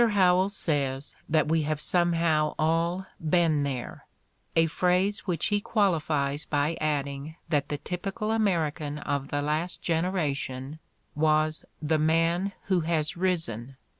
Howells says that "we have somehow all 'been there,' " a phrase which he qualifies by adding that the typical American of the last generation was "the man who has risen.